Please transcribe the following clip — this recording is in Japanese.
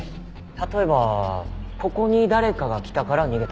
例えばここに誰かが来たから逃げた。